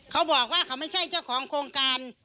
เขาบอกว่าเขาไม่ใช่เจ้าของโครงการ